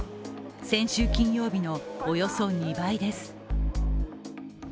先週金曜日の、およそ２倍です。